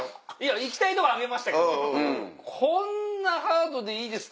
行きたいとこ挙げましたけどこんなハードでいいですか？